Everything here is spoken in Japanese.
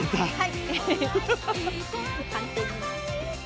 はい。